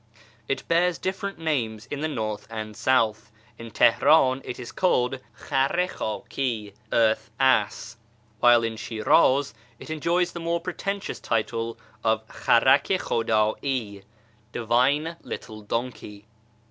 It bears different names in the north and south : in Teheran it is called khar i khdhi (" Earth ass "), wdiile in Shiniz it enjoys the more pretentious title of kharak i khudd'i (" Divine little donkey